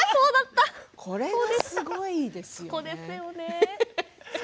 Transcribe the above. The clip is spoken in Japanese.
これも、すごいですよね。